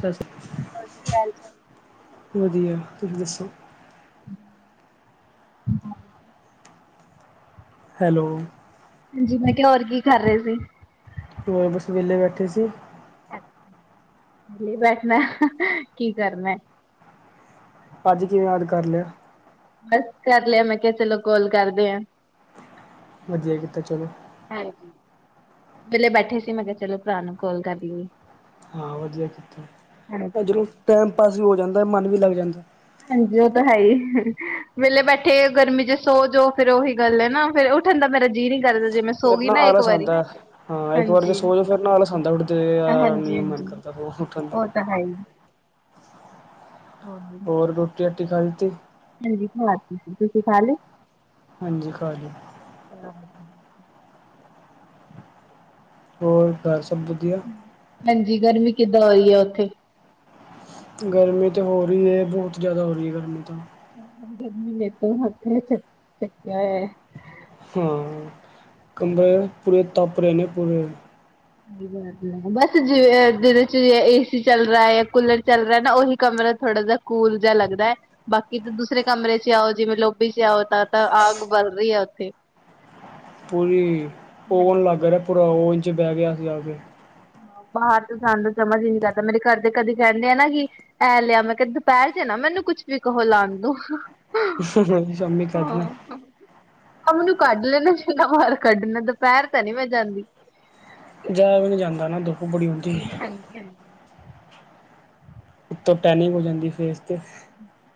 ਸਤਿ ਸ਼੍ਰੀ [unintelligible] ਵਧੀਆ। ਤੁਸੀਂ ਦੱਸੋ? [inaudible] ਹੈਲੋ ਹਾਂਜੀ, ਮੈਂ ਕਿਹਾ ਹੋਰ ਕੀ ਕਰ ਰਹੇ ਸੀ। ਬਸ ਵਵੇਲੇ ਬੈਠੇ ਸੀ। [inaudible] ਵੇਲੇ ਬੈਠਣਾ, [unintelligible] ਕੀ ਕਰਨਾ? ਅੱਜ ਕਿਵੇਂ ਯਾਦ ਕਰ ਲਿਆ। ਬਸ ਕਰ ਲਿਆ, ਮੈਂ ਕਿਹਾ ਚਲੋ ਕਾਲ ਕਰਦੇ ਆ। ਵਧੀਆ ਕੀਤਾ ਚਲੋ। ਹਾਂਜੀ, ਵੇਲੇ ਬੈਠੇ ਸੀ। ਮੈਂ ਕਿਹਾ ਚਲੋ ਭਰਾ ਨੂੰ ਕੋਲ ਕਰਲੀਏ। ਹਾਂ ਵਧੀਆ ਕੀਤਾ। ਜਦੋਂ ਟੈਮ ਪਾਸ ਵੀ ਹੋ ਜਾਂਦਾ, ਮਨ ਵੀ ਲੱਗ ਜਾਂਦਾ। ਹਾਂਜੀ ਉਹ ਤਾਂ ਹੈ ਹੀ, [unintelligible] ਵੇਲੇ ਬੈਠੇ ਗਰਮੀ ਚ ਸੋ ਜੋ, ਫੇਰ ਉਹੀ ਗੱਲ ਐਨਾਂ ਫੇਰ ਠਣ ਦਾ ਮੇਰਾ ਜੀਅ ਨਹੀਂ ਕਰਦਾ। ਜੇ ਮੈਂ ਸੋ ਫਿਰ ਗਈ ਨਾਂ ਨਾ ਇੱਕ ਆਲਸ ਵਾਰੀ ਆਂਦਾ, ਹਾਂ ਇੱਕ ਵਾਰ ਜੇ ਸੋਜੇ ਫੇਰ ਨਾਂ ਆਲਸ ਆਂਦਾ ਉਠਦੇ ਆ ਨੀਂ ਮਨ ਕਰ ਰੋਜ ਉਠਣਦਾਂ ਹਂ ਹੋਰ ਰੋਟੀ-ਰਾਟੀ ਖਾ ਲਿੱਤੀ। ਹਾਂਜੀ, ਖਵਾਤੀ ਸੀ। ਤੁਸੀਂ ਖਾਲੀ? ਹਾਂਜੀ ਖਾਲੀ। [unintelligible] ਹੋਰ ਘਰ ਸਭ ਵਧੀਆ। ਹਾਂਜੀ ਗਰਮੀ ਕਿੱਦਾਂ ਹੋਈ ਆ ਉੱਥੇ? ਗਰਮੀ ਤੇ ਹੋ ਰਹੀ ਐ, ਬਹੁਤ ਜ਼ਿਆਦਾ ਹੋ ਰਹੀ ਹੈ ਗਰਮੀ ਤੇ। ਗਦਮੀ ਨੇ ਤੋਂ ਹ ਚ ਚੱਕਿਆ ਹੈ [unintelligible] ਹਾਂ ਕਮਰੇ ਪੂਰੇ ਤੱਪ ਰਹੇ ਨੇਂ ਪੂਰੇ। ਹਂ। ਬਸ ਜਿਵੇਂ ਜਿਹਦੇ ਚ ਏਸੀ ਚੱਲ ਰਹਾ ਜਾਂ ਕੂਲਰ ਚੱਲ ਰਹਾ ਨਾਂ ਉਹੀ ਕਮਰਾ ਥੋੜਾ ਜ ਕੂਲ ਜਿਹਾ ਲੱਗਦਾ ਐ। ਬਾਕੀ ਤਾਂ ਦੂਸਰੇ ਕਮਰੇ ਚ ਆਓ ਜਿਵੇਂ ਲੋਭੀ ਚ ਆਓ ਤਾਂ ਤਾਂ ਆਗ ਬਲ ਰਹੀ ਆ ਉੱਥੇ। ਪੂਰੀ ਓਵਨ ਲੱਗ ਰਿਆ ਪੂਰਾ ਓਵਨ ਚ ਬਹਿ ਗਿਆ ਸ ਜਾ ਕੇ। ਬਾਹਰ ਤੇ ਜਾਣ ਸਮਝ ਹੀ ਨੀ ਕਰਦਾ। ਮੇਰੇ ਘਰ ਦੇ ਕਦੇ ਕਹਿੰਦੇ ਆ ਨਾਂ ਕਿ ਇਹ ਲਿਆ ਮੈਂ ਕਿਹਾ ਦੁਪਹਿਰ ਚ ਨਾਂ ਮੈਨੂੰ ਕੁਛ ਵੀ ਕਹੋ ਲਾਣ ਨੂੰ। [unintelligible] ਸ਼ਮੀ ਕਢਨਾ। ਆ ਮੈਨੂੰ ਕੱਢ ਲੈਣਾ ਨਾ ਜਿਨ੍ਹਾਂ ਬਾਰ ਕੱਢਣਾ, ਦੁਪਹਿਰ ਤਾਂ ਨੀਂ ਮੈਂ ਜਾਂਦੀ। ਜਾਆ ਵੀ ਨੀਂ ਜਾਂਦਾ ਨਾਂ ਦੁੱਪ ਹਾਂਜੀ, ਹਾਂਜੀ। ਉਤੋਂ ਟੈਨਿੰਗ ਹੋ ਜਾਂਦੀ ਫੇਸ ਤੇ।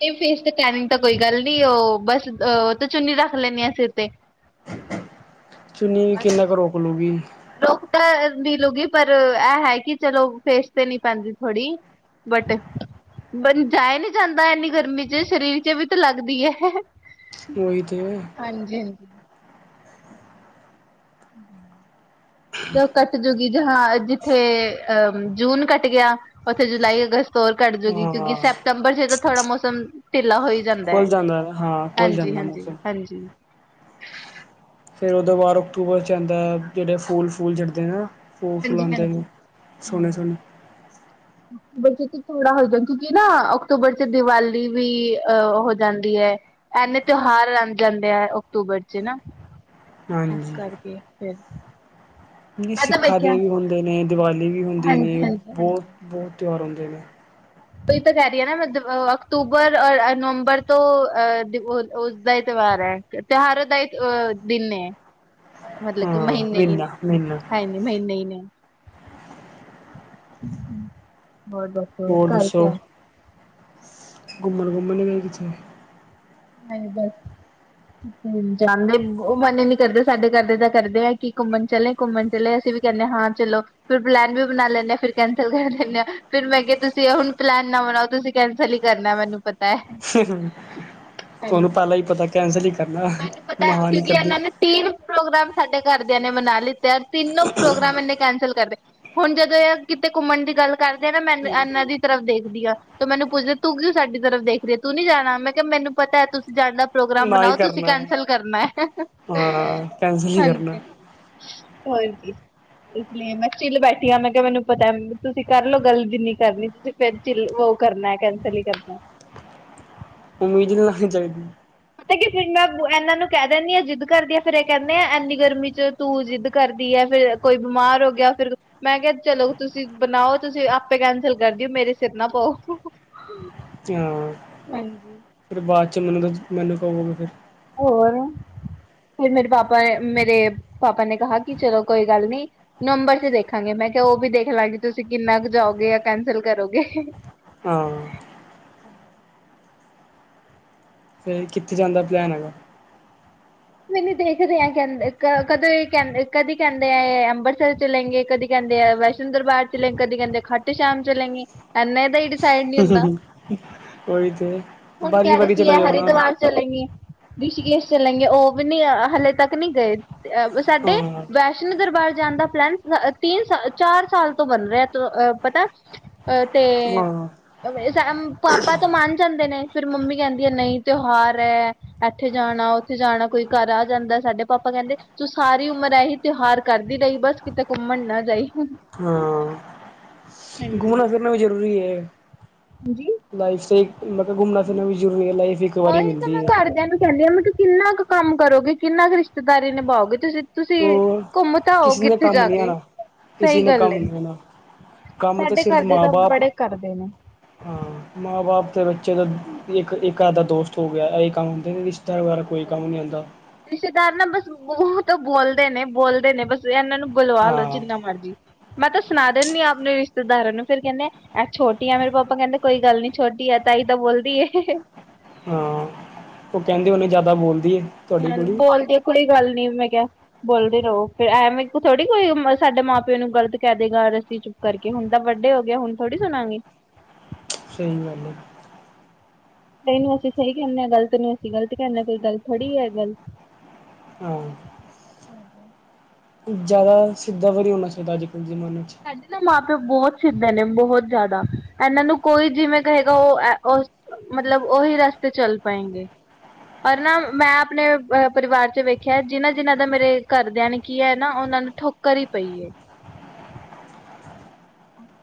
ਤੇ ਫੇਸ ਤੇ ਟੈਨਿੰਗ ਤਾਂ ਕੋਈ ਗੱਲ ਨੀਂ, ਉਹ ਬਸ ਅ ਤੇ ਚੁੰਨੀ ਰੱਖ ਲੈਂਣੀ ਆਂ ਸਿਰ ਤੇ। ਚੁੰਨੀ ਵੀ ਕਿੰਨਾ ਕੁ ਰੋਕ ਲਉਗੀ। ਰੁਕ ਤਾਂ ਮਿਲੂਗੀ ਪਰ ਇਹ ਹੈ ਕਿ ਚਲੋ ਫੇਸ ਤੇ ਨਈਂ ਪੈਂਦੀ ਥੋੜ੍ਹੀ। ਬਟ ਬ ਜਾਆ ਨਹੀਂ ਜਾਂਦਾ ਇੰਨੀ ਗਰਮੀ ਚ, ਸਰੀਰ ਚ ਵੀ ਤੇ ਲੱਗਦੀ ਐ। [unintelligible] ਉਹੀ ਤੇ ਹਾਂਜੀ-ਹਾਂਜੀ। ਜੋ ਕੱਟ ਜੂ ਕਿ ਜਾਂ ਜਿੱਥੇ ਅ ਜੂਨ ਕੱਟ ਗਿਆ ਉੱਥੇ ਜੁਲਾਈ, ਅਗਸਤ ਵੀ ਹੋਰ ਕੱਟਜੂਗੀ ਕਿਉਂਕਿ ਹਾਂ ਸਪਤੰਬਰ 'ਚ ਤਾਂ ਥੋੜਾ ਮੌਸਮ ਢਿੱਲਾ ਹੋਈ ਜਾਂਦਾ ਖੁੱਲ ਹੈ ਹਾਂ ਖੁੱਲ ਹਾਂਜੀ, ਜਾਂਦਾ ਮੌਸਮ ਹਾਂਜੀ-ਹਾਂਜੀ। ਫਿਰ ਉਹਦੇ ਬਾਅਦ ਅਕਤੂਬਰ 'ਚ ਆਂਦਾ ਜਿਹੜੇ ਫੂਲ- ਫੂਲ ਚੜ੍ਹਦੇ ਆਂ। ਫੂ ਫਲਾਉਦੇ ਨੂੰ ਸੋਹਣੇ-ਸੋਹਣੇ। ਅਕਤੂਬਰ 'ਚ ਥੋੜਾ ਹੋ ਜਾਂ ਕਿਉਂਕਿ ਨਾ ਅਕਤੂਬਰ ਚ ਦੀਵਾਲੀ ਵੀ ਹੋ ਜਾਂਦੀ ਐ। ਇੰਨੇ ਤਿਉਹਾਰ ਆਈ ਜਾਂਦੇ ਆ ਅਕਤੂਬਰ 'ਚ ਨਾ। ਇਸ ਹਾਂਜੀ ਕਰਕੇ ਫਿਰ। ਸਿੱਖਾਂ ਦੇ ਵੀ ਹੁੰਦੇ ਨੇ, ਦੀਵਾਲੀ ਵੀ ਹੁੰਦੀ ਨੇ ਬਹੁਤ-ਬਹੁਤ ਤਿਉਹਾਰ ਹੁੰਦੇ ਨੇ। ਉਹੀ ਤਾਂ ਕਹਿ ਰਹੀ ਹ ਨਾ ਮ ਅਕਤੂਬਰ ਔਰ ਨਵੰਬਰ ਤੋਂ ਅਹ ਉਸਦਾ ਹੀ ਤਿਉਹਾਰ ਐ। ਤੇਹਾਰੋ ਦਾ ਈ ਅਹ ਦਿਨ ਨੇ। ਮਤਲਬ ਕਿ ਹਾਂ ਮਹੀਨੇ ਹੀ ਨੇ, ਮਹੀਨਾ ਮਹੀਨਾ ਹੈਜੀ ਮਹੀਨੇ ਹੀ ਨੇ। ਹੂੰ, ਬਹੁਤ-ਬਹੁਤ ਹੋਰ ਦੱਸੋ, ਘੁੰਮਣ-ਘੁੰਮਣ ਨਿ ਗਏ ਕਿਥੇ? ਨਹੀਂ ਬਸ। ਜਾਂਦੇ, ਉਹ ਮਨ ਹੀ ਨੀ ਕਰਦੇ ਸਾਡੇ ਘਰਦੇ ਦਾ ਕਰਦੇ ਆ ਕਿ ਘੁੰਮਣ ਚਲੇ- ਘੁੰਮਣ ਚਲੇ ਅਸੀਂ ਵੀ ਕਹਿੰਦੇ ਹਾਂ ਚਲੋ। ਫਿਰ ਪਲੈਨ ਵੀ ਬਣਾ ਲੈਂਦੇ ਫਿਰ ਕੈਂਸਲ ਕਰ ਦੇਨੇਆ, ਫਿਰ ਮੈਂ ਕਿਹਾ ਤੁਸੀਂ ਹੁਣ ਪਲੈਨ ਨਾ ਬਣਾਓ ਤੁਸੀਂ ਕੈਂਸਲ ਹੀ ਕਰਨਾ ਮੈਨੂੰ ਪਤਾ ਹੈ। ਤੁਹਾਨੂੰ ਪਹਿਲਾਂ ਹੀ ਪਤਾ ਕੈਂਸਲ ਹੀ ਕਰਨਾ ਮੈਨੂੰ ਪਤਾ ਮੈਂ ਹੈ ਹਾਂ ਨੀ ਕਿਉਂਕਿ ਕਰਦੀ। ਇਹਨਾਂ ਨੇ ਤਿੰਨ ਪ੍ਰੋਗਰਾਮ ਸਾਡੇ ਘਰਦਿਆਂ ਨੇ ਬਣਾ ਲਿੱਤੇ ਤਿੰਨੋ ਪ੍ਰੋਗਰਾਮ ਇਹਨੇ ਕੈਂਸਲ ਕਰਦੇ। ਹੁਣ ਜਦੋਂ ਇਹ ਕਿਤੇ ਘੁੰਮਣ ਦੀ ਗੱਲ ਕਰਦੇ ਆ ਨਾ ਮੈਂ ਇਹਨਾਂ ਦੀ ਤਰਫ ਦੇਖਦੀ ਹਾਂ। ਤ ਮੈਨੂੰ ਪੁੱਛਦੇ ਤੂੰ ਕੀ ਸਾਡੀ ਤਰਫ਼ ਦੇਖ ਰਹੀ ਤੂੰ ਨੀ ਜਾਣਾ, ਮੈਂ ਕਿਹਾ ਮੈਨੂੰ ਪਤਾ ਹੈ ਤੁਸੀਂ ਜਾਣ ਦਾ ਪ੍ਰੋਗਰਾਮ ਨਾ ਹੀ ਬਣਾਓ ਤੁਸੀਂ ਕਰਨਾ ਕੈਂਸਲ ਕਰਨਾ ਹੈ ਹਾਂ ਕੈਂਸਲ ਹੀ ਹਾਂਜੀ, ਕਰਨਾ ਹੋਰ ਜ ਇਸ ਲਈ ਮੈਂ ਚਿਲ ਬੈਠੀ ਆ ਮੈਂ ਕਿਹਾ ਮੈਨੂੰ ਪਤਾ ਤੁਸੀਂ ਕਰਲਓ ਗੱਲ ਜਿੰਨੀ ਕਰਨੀ ਤੁਸੀ ਵੇਰ ਚੀਲ ਉਹ ਕਰਨਾ ਹੈ, ਕੈਂਸਿਲ ਹੀ ਕਰਨਾ। ਉਮੀਦ ਨੀਂ ਰੱਖਣੀ ਚਾਹੀਦੀ। ਫਿਰ ਮੈਂ ਇਹਨਾਂ ਨੂੰ ਕਹਿ ਦਿੰਦੀ ਹਾਂ ਜ਼ਿੱਦ ਕਰਦੀ ਆ ਫਿਰ ਇਹ ਕਹਿੰਦੇ ਆ ਇੰਨੀ ਗਰਮੀ 'ਚ ਤੂੰ ਜਿੱਦ ਕਰਦੀ ਹੈ ਫਿਰ। ਕੋਈ ਬਿਮਾਰ ਹੋ ਗਿਆ ਫਿਰ। ਮੈਂ ਕਿਹਾ ਚਲੋ ਤੁਸੀਂ, ਬਣਾਓ ਤੁਸੀਂ, ਆਪੇ ਕੈਂਸਲ ਕਰ ਦਿਓ ਮੇਰੇ ਸਿਰ ਨਾ ਪਾਓ। ਹ, [unintelligible] ਹਾਂ, ਫਿਰ ਬਾਅਦ 'ਚ ਮੈਨੂੰ ਤਾਂ ਮੈਨੂੰ ਕਹੋਗੇ ਫਿਰ। ਹੋਰ ਫਿਰ ਮੇਰੇ ਪਾਪਾ, ਮੇਰੇ ਪਾਪਾ ਨੇ ਕਿਹਾ ਕਿ ਚਲੋ ਕੋਈ ਗੱਲ ਨਹੀਂ। ਨਵੰਬਰ ਚ ਦੇਖਾਂਗੇ, ਮੈਂ ਕਿਹਾ ਉਹ ਵੀ ਦੇਖ ਲਾਂਗੇ, ਤੁਸੀਂ ਕਿੰਨਾ ਕੁ ਜਾਓਗੇ ਜਾਂ ਕੈਂਸਲ ਕਰੋਗੇ। ਹਾਂ। ਫਿਰ ਕਿੱਥੇ ਜਾਂਦਾ ਪਲੈਨ ਹੈਗਾ। ਮੈ ਨੂੰ ਦੇਖਦੇ ਆ ਕਹਿੰਦੇ ਕਦੋਂ ਕਹਿੰ ਕਦੀ ਕਹਿੰਦੇ ਆ ਅੰਮ੍ਰਿਤਸਰ ਚਲੇਗੇ ਕਦੀ ਕਹਿੰਦੇ ਆ ਵੈਸ਼ਨੋ ਸੁੰਦਰ ਬਾਰ ਚਲੇ ਕਦੀ ਕਹਿੰਦੇ ਖੱਟੂ ਸ਼ਾਮ ਚਲੇਗੇ ਇਹਨਾਂ ਦਾ ਡਿਸ਼। ਉਹੀ ਤੇ। ਹੁਣ ਵਾਰੀ ਕਹਿ ਰਹੇ ਵਾਰੀ ਸੀ ਚਲੇ ਹੈ ਜਾਓ ਨਾ ਹਰਿਦੁਆਰ। ਚਲਗੇ, ਰਿਸ਼ਕੇਸ਼ ਚਲਗੇ ਉਹ ਵੀ ਨੀ ਹਲੇੇ ਤੱਕ ਨਹੀਂ ਗਏ‌। ਸਾਡੇ ਵੈਸੇ। ਹਾਂ ਵੈਸ਼ਨੂੰ ਦਰਬਾਰ ਜਾਣ ਦਾ ਪਲਾਨ ਤਿੰਨ, ਚਾਰ ਸਾਲ ਤੋਂ ਬਣ ਰਿਹਾ ਪਤਾ। ਅਹ ਤੇ ਹਾਂ ਹਾਂ ਪਾਪਾ ਤੋਂ ਮੰਨ ਜਾਂਦੇ ਨੇ। ਫਿਰ ਮੰਮੀ ਕਹਿੰਦੀ ਹੈ ਨਹੀਂ ਤਿਉਹਾਰ ਐ। ਇੱਥੇ ਜਾਣਾ, ਉੱਥੇ ਜਾਣਾ, ਕੋਈ ਘਰ ਆ ਜਾਂਦਾ ਸਾਡੇ ਪਾਪਾ ਕਹਿੰਦੇ ਤੂੰ ਸਾਰੀ ਉਮਰ ਐਹੀ। ਤਿਉਹਾਰ ਕਰਦੀ ਰਹੀ, ਬਸ ਕਿਤੇ ਘੁੰਮਣ ਨਾ ਜਾਈ। ਘੁਮਣਾ ਫਿਰਨਾ ਵੀ ਜ਼ਰੂਰੀ ਏ। ਹਾਂਜੀ। ਲਾਈਫ ਸ ਮਤਲਬ ਘੁੰਮਣਾ- ਫਿਰਨਾ ਵੀ ਜ਼ਰੂਰੀ ਹੈ, ਲਾਈਫ ਇੱਕ ਵਾਰੀ ਔਹਿਤਾ ਮੈਂ ਮਿਲਦੀ ਹੈ ਘਰਦਿਆਂ ਨੂੰ ਕਹਿੰਦੀ ਹਾਂ ਮੈਂ ਕਿੰਨਾ ਕੁ ਕੰਮ ਕਰੋਗੇ, ਕਿੰਨਾ ਕੁ ਰਿਸ਼ਤੇਦਾਰੀ ਨਿਭਾਓਗੇ ਤੁਸੀਂ- ਤੁਸੀਂ ਹੋਰ ਘੁੰਮ ਤਾਂ ਆਔ ਕਿਸੇ ਨੇ ਕਿੱਥੇ ਕੰਮ ਜਾ ਨੀ ਕੇ ਆਣਾ ਕਿਸੇ ਸਹੀ ਨੇ ਗੱਲ ਕੰਮ ਏ। ਨੀ ਆਣਾ ਕੰਮ ਤਾਂ ਸਾਡੇ ਸਿਰਫ ਘਰ ਦੇ ਮਾਂ ਤਾਂ ਬਾਪ ਬੜੇ ਕਰਦੇ ਨੇ। ਹਾਂ, ਮਾਂ-ਬਾਪ ਦੇ ਬੱਚੇ ਦਾ ਇੱਕ-ਇੱਕ ਅੱਧ ਦਾ ਦੋਸਤ ਹੋ ਗਿਆ ਇਹ ਕੰਮ ਹੁੰਦੇ। ਜਾਇ ਬੇਗੈਰ ਕੋ ਕੰਮ ਨਹੀਂ ਹੁੰਨਂਦਾ। ਰਿਸ਼ਤੇਦਾਰ ਨਾ ਬਸ-ਬਤ ਬੋਲਦੇ ਨੇ- ਬੋਲਦੇ ਨੇ, ਬਸ ਇਹਨਾਂ ਨੂੰ ਗੁਲਵਾ ਲਓ ਹਾਂ ਜਿੰਨਾ ਮਰਜ਼ੀ, ਮੈਂ ਤਾਂ ਸੁਣਾ ਦਿੰਦੀ ਆ ਆਪਣੇ ਰਿਸ਼ਤੇਦਾਰਾਂ ਨੂੰ ਫ਼ਿਰ ਕਹਿੰਦੇ ਆ ਛੋਟੀ ਆ, ਮੇਰੇ ਪਾਪਾ ਕਹਿੰਦੇ ਕੋਈ ਗੱਲ ਨੀ ਛੋਟੀ ਆ ਤਾਈ ਤਾਂ ਬੋਲਦੀ ਏ। ਹਾਂ। ਉਹ ਕਹਿੰਦੇ ਉਹਨੇ ਜਿਆਦਾ ਬੋਲਦੀ ਏ। ਹ ਤੁਹਾਡੀ ਕੁੜੀ ਬੋਲਦੀ ਕੁੜੀ ਗੱਲ ਨੀ ਮੈਂ ਕਿਹਾ। ਬੋਲਦੇ ਰਹੋ ਫੇਰ, ਐਵੇਂ ਥੋੜ੍ਹੀ ਕੋਈ ਸਾਡੇ ਮਾਂ ਪਿਓ ਨੂੰ ਗ਼ਲਤ ਕਹਿ ਦੇਗਾ ਰੱਸੀ ਚ। ਕਰਕੇ ਹੁਣ ਤਾਂ ਵੱਡੇ ਹੋ ਗਏ ਹੁਣ ਥੋੜ੍ਹੀ ਸੁਣਾਗੀ। ਸਹੀ ਗੱਲੀ ਏ। ਸਹੀ ਨੀ ਅਸੀਂ ਸਹੀ ਕਹਿਦੇ, ਗਲਤ ਨਹੀਂ ਅਸੀਂ ਗ਼ਲਤ ਕਹਿਨੇ ਕੋਈ ਗੱਲ ਥੋੜ੍ਹੀ ਏ ਗੱਲ। ਹਾਂ ਜ਼ਿਆਦਾ ਸਿੱਧਾ ਵ ਨਹੀਂ ਹੋਣਾ ਚਾਹੀਦਾ ਅੱਜ ਕੱਲ੍ਹ ਜ਼ਮਾਨੇ 'ਚ। ਸਾਡੇ ਨਾ ਮਾਂ ਪਿਓ ਬਹੁਤ ਸਿੱਧੇ ਨੇ, ਬਹੁਤ ਜ਼ਿਆਦਾ ਇਹਨਾਂ ਨੂੰ ਕੋਈ ਜਿਵੇਂ ਕਹੇਗਾ ਉਹ ਇਹ। ਮਤਲਬ ਉਹੀ ਰਸਤੇ ਚੱਲ ਪਾਏਗੇ। ਪਰ ਨਾ ਮੈਂ ਆਪਣੇ ਪਰਿਵਾਰ ਚ ਵੇਖਿਆ ਜਿਹਨਾਂ-ਜਿਹਨਾਂ ਦਾ ਮੇਰੇ ਘਰਦਿਆਂ ਨੇ ਕੀ ਹੈ ਨਾ ਉਹਨਾਂ ਨੂੰ। ਠੋਕਰ ਹੀ ਪਈ ਏ।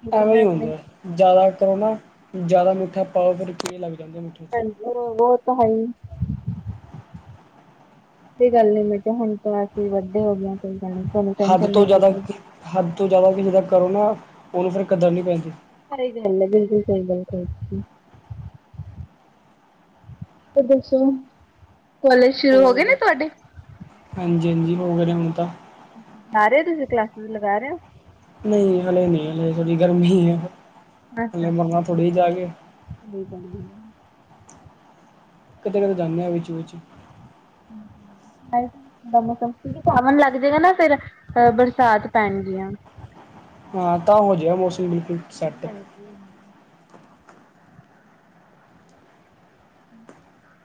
ਕਿਉਂਕਿ ਐਵੇਂ ਮੈਂ ਹੀ ਆਪਣੇ ਹੁੰਦੇ ਹੈ ਜ਼ਿਆਦਾ ਕਰੋ ਨਾ, ਜ਼ਿਆਦਾ ਮਿੱਠਾ ਪਾਓ ਫਿਰ ਕੀੜੇ ਲੱਗ ਜਾਂਦਾ ਮਿੱਠੇ 'ਚ। ਵੁਹ- ਵੁਹ ਤਾਂ ਹੈ ਹੀ। ਕੋਈ ਗੱਲ ਨੀ ਮੈਂ ਕਿਹਾ ਹੁਣ ਤਾਂ ਅਸੀਂ ਵੱਡੇ ਹੋ ਗਏ ਆ ਕੋਈ ਗੱਲ ਨੀਂ। ਹੱਦ ਤੋਂ ਜ਼ਿਆਦਾ, ਹੱਦ ਤੋਂ ਜ਼ਿਆਦਾ ਕਿਸੇ ਦਾਂ ਕਰੋ ਨਾ ਉਹਨੂੰ ਫਿਰ ਕਦਰ ਨਹੀਂ ਪੈਂਦੀ‌। ਸਹੀ ਗੱਲ ਹੈ, ਬਿਲਕੁਲ ਸਹੀ ਗੱਲ ਕਹੀ ਸੀ। ਤੇ ਦੱਸੋ ਕੋਲਜ ਸ਼ੁਰੂ ਹੋ ਗਏ ਨੇ ਤੁਹਾਡੇ? ਹਾਂਜੀ-ਹਾਂਜੀ, ਹੋ ਗਏ ਨੇ ਹੁਣ ਤਾਂ। ਜਾ ਰਹੇ ਹੋ, ਤੁਸੀਂ ਕਲਾਸਿਸ ਲਗਾ ਰਹੇ ਹੋ। ਨਹੀਂ, ਹਲੇ ਨਹੀਂ ਹਲੇ ਥੋੜੀ ਗਰਮੀ ਹੈ। ਹਲੇ ਅੱਛਾ-ਅੱਛਾ, ਮਰਨਾ ਥੋੜ੍ਹੀ ਜਾ ਕੇ ਕਿ ਕਹਿੰਦੀ ਸੀ? ਕਦ- ਕਦੇ ਜਾਂਦੇ ਹਾਂ, ਵਿੱਚ- ਵਿੱਚ। ਆ। ਦਾ ਮੌਸਮ ਕਿਉਂਕਿ ਸਾਵਣ ਲੱਗ ਜਾਏਗਾ ਨਾ ਫੇਰ ਅਹ ਬਰਸਾਤ ਪੈਣਗੀਆਂ। ਹਾਂ, ਤਾਂ ਹੋ ਜਾਏਗਾ ਮੌਸਮ ਬਿਲਕੁਲ ਸੈੱਟ। ਹੂੰ।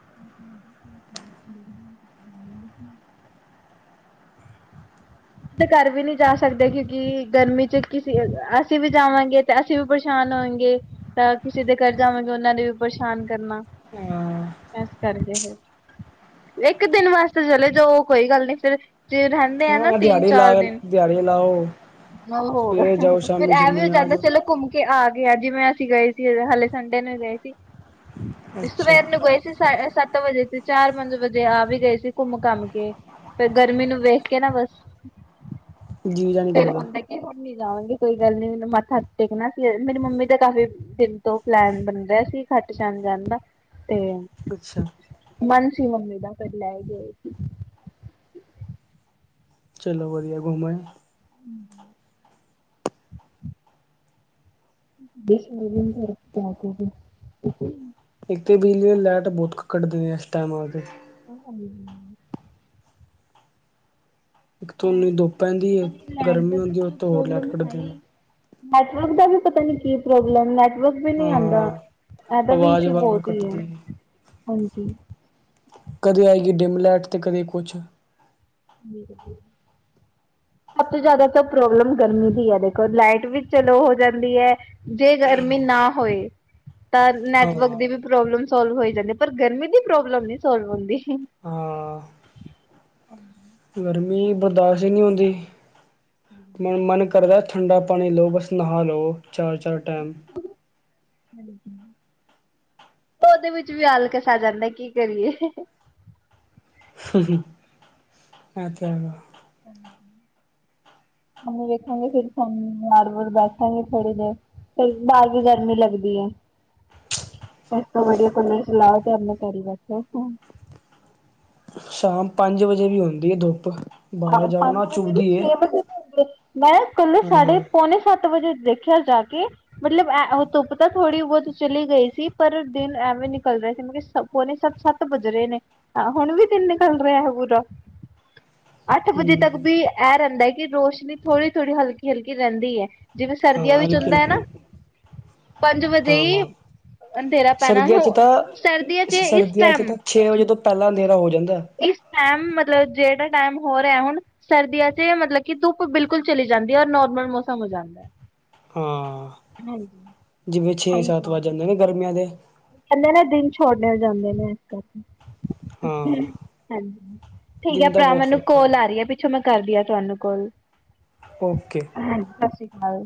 [unintelligible] ਕਿਸੇ ਦੇ ਘਰ ਵੀ ਨਹੀਂ ਜਾ ਸਕਦੇ ਕਿਉਂਕਿ ਗਰਮੀ ਚ ਕਿਸੇ ਅਸੀਂ ਵੀ ਜਾਵਾਂਗੇ ਤੇ ਅਸੀਂ ਵੀ ਪਰੇਸ਼ਾਨ ਹੋਏਗੇ ਤਾਂ ਕਿਸੇ ਦੇ ਘਰ ਜਾਵਾਂਗੇ, ਉਹਨਾਂ ਨੇ ਵੀ ਪਰੇਸ਼ਾਨ ਕਰਨਾ। ਹਾਂ ਈਸ ਕਰਕੇ ਫਿਰ ਇੱਕ ਦਿਨ ਵਾਸਤੇ ਚਲੇ ਜਾਓ ਕੋਈ ਗੱਲ ਨੀ, ਫਿਰ ਚਿਰ ਰਹੈ ਹਾਂ, ਦਿਹਾੜੀ ਲਾ ਕੇ, ਦਿਹਾੜੀ ਲਾਓ ਸਵੇਰੇ ਜਾਓ, ਸ਼ਾਮੀ- ਸ਼ਾਮੀ ਆ ਜਾਓ। ਕੇ ਘੁੰਮ ਕੇ ਆ ਗੇਆ ਜਿਵੇਂ ਅਸੀ ਗਏ ਸੀ ਹਾਲੇ ਸੰਡੇ ਨੂੰ ਗਏ ਸੀ। ਅੱਛਾ ਸਵੇੈਰ ਨੂੰ ਗਏ ਸੀ ਸ ਏ ਸੱਤ ਵਜੇ ਤੇ ਚਾਰ ਪੰਜ ਵਜੇ ਆ ਵੀ ਗਏ ਸੀ ਘੁੰਮ ਘਮ ਕੇ, ਫੇ ਗਰਮੀ ਨੂੰ ਵੇਖ ਕੇ ਨਾ ਬਸ ਜੀਅ ਜਾ ਨਹੀਂ [inaudible] ਏ ਕਰਦਾ ਹੋਰ ਨੀ ਜਾਵਾਂਗੇ ਕੋਈ ਗੱਲ ਨੀ ਮਾ ਥਾ ਟੇਕਣਾ ਸੀ ਮੇਰੀ ਮੰਮੀ ਦਾ ਕਾਫ਼ੀ ਦਿਨ ਤੋਂ ਪਲੈਨ ਬਣ ਰਿਹਾ ਸੀ ਖੱਟ ਜਾਣ ਜਾਣ ਦਾ, ਤੇ ਅੱਛਾ ਮਨ ਸੀ ਮੰਮੀ ਦਾ [unintelligible] ਚਲੋ ਵਧੀਆ ਘੁੰਮ ਆਏ? [inaudible] [unintelligible] ਇੱਥੇ ਬਿਜਲੀ ਲਾਈਟ ਬੋਕ ਕ ਕੱਢਦੇ ਆ ਇਸ ਟਾਈਮ [unintelligible] ਤੁਹਾਨੂੰ ਦੋ ਪੈਂਦੀ ਏ ਗਰਮੀ ਹੁੰਦੀ ਹ ਤੋਰ ਲਟਕਟਦੇ [unintelligible] ਕੀ ਪ੍ਰੋਬਲਮ ਨੈ ਕੁਝ ਵੀ ਨਹੀਂ ਆਂਦਾ ਹਾਂ ਐਰ ਵੀ ਆਵਾਜ਼ ਸ਼ੂ ਵਾਰ ਬੌਤ ਕੱਟਦੀ ਹੈ। ਹਾਜੀ। ਕਦੇ ਆਏਗੀ ਡਿਮਲੈਟ ਤੇ ਕਦੇ ਕੁਝ। [inaudible] ਸਭ ਤੋਂ ਜਿਆਦਾ ਕੋ ਪ੍ਰੋਬਲਮ ਗਰਮੀ ਦੀ ਐ ਦੇਖੋ ਲਾਈਟ ਵੀ ਚਲੋ ਹੋ ਜਾਂਦੀ ਐ। ਜੇ ਗਰਮੀ ਨਾ ਹੋਏ, ਤਾਂ ਹਾਂ ਨੈਟਵਰਕ ਦੀ ਵੀ ਪ੍ਰੋਬਲਮ ਸੋਲਵ ਹੋਈ ਜਾਂਦੀਐ ਪਰ ਗਰਮੀ ਦੀ ਪ੍ਰੋਬਲਮ ਨੀ ਸੋਲਵ ਹੁੰਦੀ। ਹਾਂ। ਗਰਮੀ ਬਰਦਾਸ਼ ਈ ਨੀ ਹੁੰਦੀ ਹੁਨ ਮਨ ਕ ਕਰਦਾ ਠੰਡਾ ਪਾਣੀ ਲੌ ਬਸ ਨਹਾ ਲੌ ਚਾਰ -ਚਾਰ ਟਾਈਮ। [inaudible] ਉਦੇ ਵਿੱਚ ਵੀ ਆਲਕਸ ਆ ਜਾਂਦਾ ਏ ਕੀ ਕਰੀਏ? [inaudible] ਐ ਤਾ ਹੈਗ [inaudible] ਸਾਨੂੰ ਵੇਖੌਗੇ ਫਿਰ ਸਾਨੂੰ ਆੜ ਵ ਬੈਠਾਂਗੇ ਥੋੜ੍ਹੀ ਦੇਰ ਤੇ ਬਾਰ ਵੀ ਗਰਮੀ ਲੱਗਦੀ ਐ। ਏਸ ਤੋ ਵਦੀਆ ਕੁਲਰ ਚਲਾਓ ਤੇ ਗਾੜੀ ਬੈਠੋ। ਸ਼ਾਮ ਪੰਜ ਵਜੇ ਵੀ ਹੁੰਦੀ ਐ ਦੁੱਪ ਆਹੋ ਪੰਜ ਵਜੇ ਵੀ ਛੇ ਵਜੇ ਹੋਦੀ ਮੈਂ ਕੱਲੇ ਹਾਂ ਸਾਡੇ ਹੂੰ ਪੌਣੇ ਸੱ ਤ ਵਜੇ ਦੇਖਿਆ ਜਾ ਕੇ ਮਤਲਬ ਧੁੱਪ ਤਾਂ ਥੋੜੀ ਚਲੀ ਗਈ ਸੀ ਪਰ ਦਿਨ ਐਵੇਂ ਨਿਕਲ ਰਿਹਾ ਸੀ ਮੈ ਕਿ ਸ ਪੋਨੇ ਸ ਸੱਤ ਬੱਜ ਰਏ ਨੇ ਆ ਹੁਣ ਵੀ ਦਿਨ ਨਿਕਲ ਰਿਹਾ ਹੈ ਪੂਰਾ। ਅੱਠ ਵਜੇ ਤੱਕ ਵੀ ਐ ਰੈਂਦਾ ਹੈ ਕੀ ਰੋਸ਼ਨੀ ਥੋੜੀ- ਥੋੜੀ ਹਲਕੀ -ਹਲਕੀ ਰੈਂਦੀ ਐ। ਜਿਵੇਂ ਹਾਂ ਸਰਦੀਆਂ ਵਿੱਚ ਹਲਕੀ ਹੁੰਦਾ ਐ ਹਲਕੀ ਨਾ ਪੰਜ ਵਜੇ ਈ, ਹਾਂ। ਅੰਧੇਰਾ ਪੈਣਾ ਹ ਸਰਦੀਆਂ ਚ ਤਾਂ ਸਰਦੀਆਂ ਚ ਇਸ ਸਰਦੀਆਂ ਚ ਟੈਮ ਤਾਂ ਛੇ ਵਜੇ ਤੋਂ ਪੈਂਲਾ ਅੰਧੇਰਾ ਹੋ ਜਾਂਦਾ। ਇਸ ਟਾਈਮ ਮਤਲਬ ਜਿਹੜਾ ਟਾਈਮ ਹੋ ਰਿਹਾ ਹੁਣ ਸਰਦੀਆ ਚ ਮਤਲ ਕੀ ਧੁੱਪ ਬਿਲਕੁਲ ਚਲੀ ਜਾਂਦੀ ਐ ਔਰ ਨੋਰਮਲ ਮੌਸਮ ਹੋ ਜਾਂਦਾ। ਹਾਂ ਜਿਵੇਂ ਛੇ ਸੱਤ ਵੱਜ ਜਾਂਦੇ ਨੇ ਗਰਮੀਆਂ ਦੇ। ਕੈਂਦੇ ਦਿਨ ਛੋਟੇ ਹੋ ਜਾਂਦੇ ਨੇ ਹ ਹਾਂ। ਹਾਜੀ ਠੀਕ ਆ ਦਿਨ ਦਾ ਭਰਾ ਬਹੁਤ ਮੈਨੂੰ ਫ਼ਰਕ ਕੋਲ ਪੈਂਦਾ ਆ ਰਈ ਹੈ ਪੀ ਛਾ ਮੈਂ ਕਰਦੀ ਹਾਂ ਤੁਆਨੂੰ ਕੋਲ ਓਕੇ। ਹਾਂਜੀ ਸਛੀ ਕਾਲ।